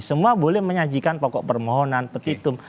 semua boleh menyajikan pokok permohonan petitum